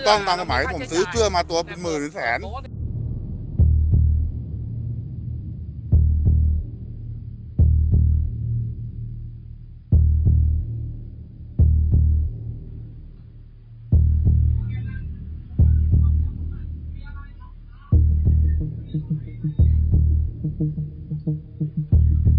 อย่างเธอมารับตรงนี้ก็จะให้รับอย่างนี้สังเกตได้เลยเดี๋ยวสังเกตถ้ามีโบ๊ทมาเขาจะรับในซอย